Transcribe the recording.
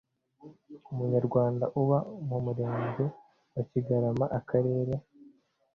Umunyarwanda uba mu murenge wa kigarama akarere